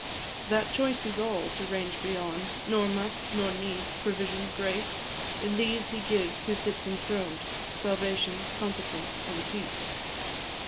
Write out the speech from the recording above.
"That choice is all to range beyond Nor must, nor needs; provision, grace, In these He gives, who sits enthroned, Salvation, competence, and peace."